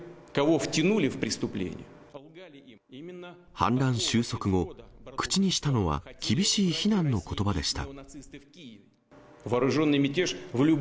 反乱収束後、口にしたのは厳しい非難のことばでした。